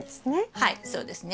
はいそうですね。